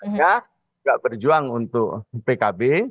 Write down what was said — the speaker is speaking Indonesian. karena banyak yang berjuang untuk pkb